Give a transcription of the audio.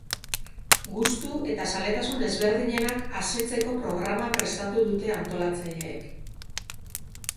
Gustu eta zaletasun ezberdinenak esetzeko programa prestatu dute antolatzaileek.